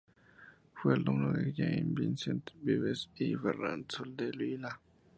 Fue alumno de Jaime Vicens Vives y Ferran Soldevila.